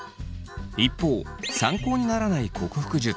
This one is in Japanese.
一方参考にならない克服術。